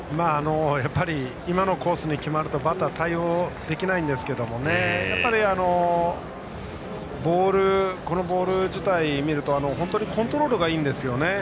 やっぱり今のコースに決まるとバッターは対応できないんですけどこのボール自体を見るとコントロールがいいんですよね。